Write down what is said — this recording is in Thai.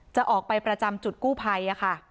จะออกไปประจำจุดกู้ภัยค่ะ